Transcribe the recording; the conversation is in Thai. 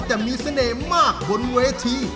แต่มีเสน่ห์มากบนเวที